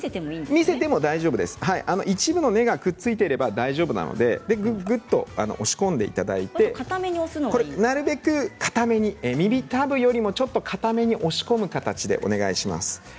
見せても大丈夫ですし一部の根がくっついていれば大丈夫なのでなるべくかために耳たぶよりも、ちょっとかために押し込む形でお願いします。